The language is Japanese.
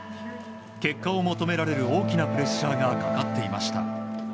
結果を求められる大きなプレッシャーがかかっていました。